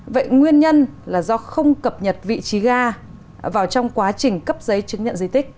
vậy nguyên nhân là do không cập nhật vị trí ga vào trong quá trình cấp giấy chứng nhận di tích